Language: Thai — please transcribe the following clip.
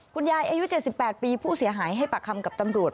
อายุ๗๘ปีผู้เสียหายให้ปากคำกับตำรวจ